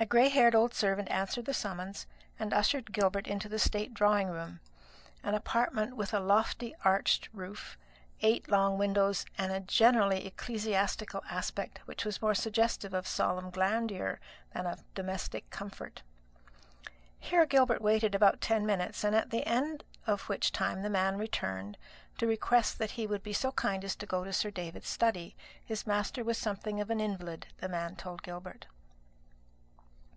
A gray haired old servant answered the summons, and ushered Gilbert into the state drawing room, an apartment with a lofty arched roof, eight long windows, and a generally ecclesiastical aspect, which was more suggestive of solemn grandeur than of domestic comfort. Here Gilbert waited for about ten minutes, at the end of which time the man returned, to request that he would be so kind as to go to Sir David's study. His master was something of an invalid, the man told Gilbert.